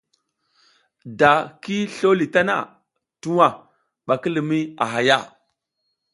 Da ki slo li tana, tuwa ɓa ki limiy a hay a.